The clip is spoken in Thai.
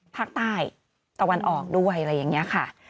ภาคใต้ตะวันออกด้วยอะไรอย่างนี้ค่ะ